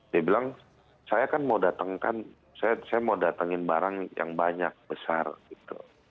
dia bilang saya kan mau datangkan saya mau datangin barang yang banyak besar gitu